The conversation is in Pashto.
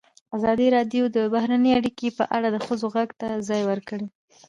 ازادي راډیو د بهرنۍ اړیکې په اړه د ښځو غږ ته ځای ورکړی.